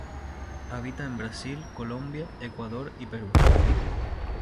Habita en Brasil, Colombia, Ecuador y Perú.